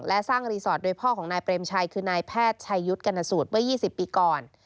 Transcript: และสร้างรีสอร์ทโดยพ่อของนายเปรมชัยคือนายแพทย์ชายุทธ์กรณสูตรเมื่อ๒๐ปีก่อน